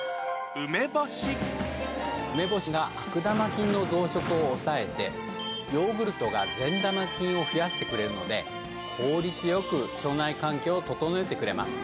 梅干しが悪玉菌の増殖を抑えて、ヨーグルトが善玉菌を増やしてくれるので、効率よく腸内環境を整えてくれます。